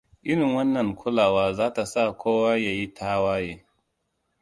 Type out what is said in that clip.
Irin wannan kulawa za ta sa kowa ya yi tawaye.